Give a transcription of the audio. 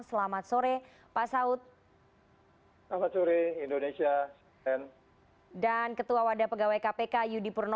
selamat sore pak saud